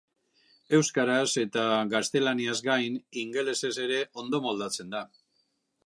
Euskaraz eta gaztelaniaz gain, ingelesez ere ondo moldatzen da.